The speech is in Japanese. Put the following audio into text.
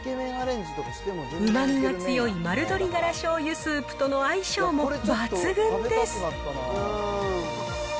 うまみの強い丸鶏ガラしょうゆスープとの相性も抜群です。